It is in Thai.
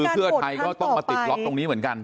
เพื่อไทยก็ต้องมาติดล็อกตรงนี้เหมือนกัน